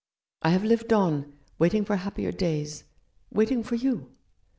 I have lived on, waiting for happier days ; waiting for you.